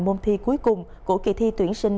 môn thi cuối cùng của kỳ thi tuyển sinh